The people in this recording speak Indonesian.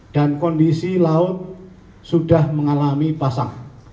dan kondisi laut sudah mengalami pasang